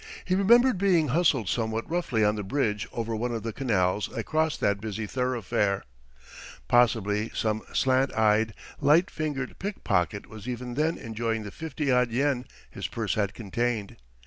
He remembered being hustled somewhat roughly on the bridge over one of the canals that cross that busy thoroughfare. Possibly some slant eyed, light fingered pickpocket was even then enjoying the fifty odd yen his purse had contained.